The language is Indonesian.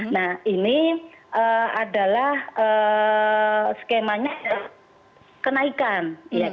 nah ini adalah skemanya kenaikan